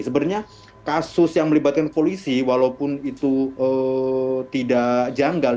sebenarnya kasus yang melibatkan polisi walaupun itu tidak janggal